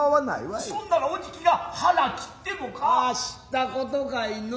そんならおじ貴が腹切ってもか。ああ知ったことかいのう。